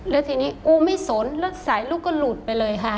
แล้วทีนี้กูไม่สนแล้วสายลูกก็หลุดไปเลยค่ะ